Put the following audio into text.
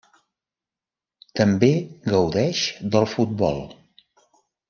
També gaudeix del futbol.